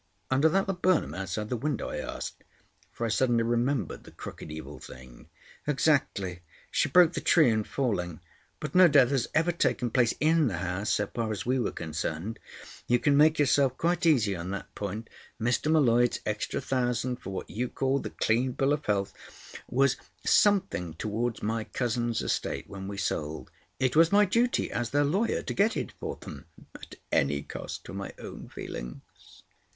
"Under that laburnum outside the window?" I asked, for I suddenly remembered the crooked evil thing. "Exactly. She broke the tree in falling. But no death has ever taken place in the house, so far as we were concerned. You can make yourself quite easy on that point. Mr. M'Leod's extra thousand for what you called the 'clean bill of health' was something toward my cousins' estate when we sold. It was my duty as their lawyer to get it for them—at any cost to my own feelings."